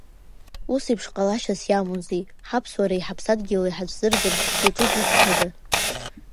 Ус еиԥш ҟалашьас иамоузеи, ҳаԥсуареи ҳаԥсадгьыли ҳацәзырӡырц иаҿу зусҭцәада?